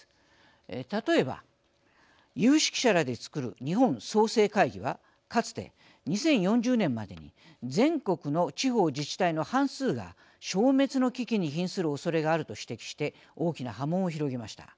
例えば有識者らで作る日本創成会議はかつて２０４０年までに全国の地方自治体の半数が消滅の危機にひんするおそれがあると指摘して大きな波紋を広げました。